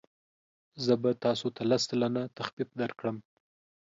زه به تاسو ته لس سلنه تخفیف درکړم.